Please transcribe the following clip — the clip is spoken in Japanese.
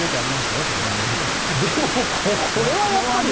でも、これはやっぱり。